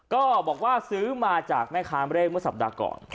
ก็บอกว่าซื้อมาจากแม่ค้าเลขเมื่อสัปดาห์ก่อน